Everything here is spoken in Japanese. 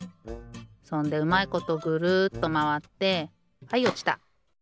そんでうまいことぐるっとまわってはいおちた。